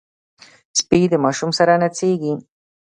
سپي د ماشوم سره نڅېږي.